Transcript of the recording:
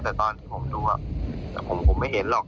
แต่ตอนที่ผมดูแต่ผมไม่เห็นหรอก